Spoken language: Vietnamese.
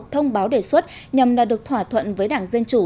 thông báo đề xuất nhằm đạt được thỏa thuận với đảng dân chủ